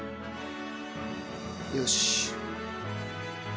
よし。